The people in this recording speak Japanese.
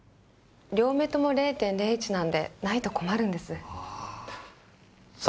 両目とも０．０１なんでないと困るんです。